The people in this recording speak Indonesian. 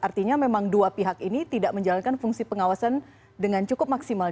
artinya memang dua pihak ini tidak menjalankan fungsi pengawasan dengan cukup maksimal